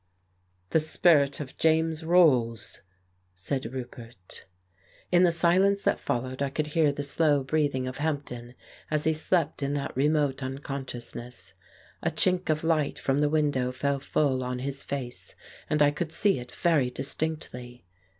"The spirit of James Rolls," said Roupert. In the silence that followed I could hear the slow breathing of Hampden as he slept in that remote unconsciousness. A chink of light from the window fell full on his face, and I could see it very distinctly.